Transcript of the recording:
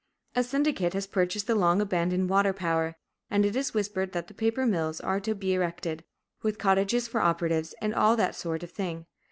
A syndicate has purchased the long abandoned water power, and it is whispered that paper mills are to be erected, with cottages for operatives, and all that sort of thing.